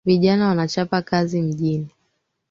Vijana wanachapa kazi mjini